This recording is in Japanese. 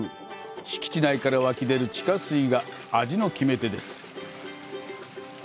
敷地内から湧き出る地下水が味の決め手です。